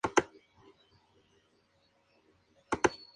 Por consiguiente, sólo una mínima parte de aire penetra en los pulmones.